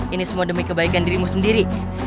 ini semua demi kebaikan dirimu sendiri